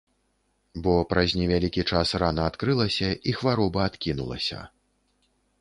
Бо праз невялікі час рана адкрылася і хвароба адкінулася.